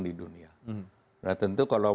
di dunia tentu kalau